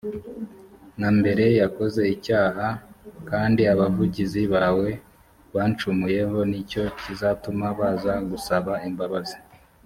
na mbere yakoze icyaha j kandi abavugizi bawe bancumuyeho ni cyo kizatuma baza gusaba imbabazi